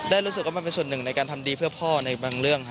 รู้สึกว่ามันเป็นส่วนหนึ่งในการทำดีเพื่อพ่อในบางเรื่อง